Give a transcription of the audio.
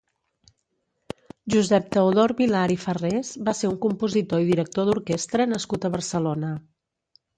Josep Teodor Vilar i Farrés va ser un compositor i director d'orquestra nascut a Barcelona.